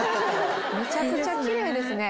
めちゃくちゃ奇麗ですね。